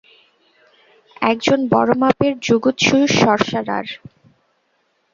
একজন বড় মাপের জুজুৎসু সর্সারার!